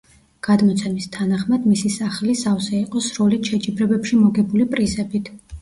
გადმოცემის თანახმად, მისი სახლი სავსე იყო სროლით შეჯიბრებებში მოგებული პრიზებით.